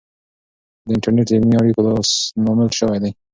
د انټرنیټ د علمي اړیکو لامل سوی دی.